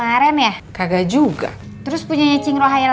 aduh mas jangan kekencengan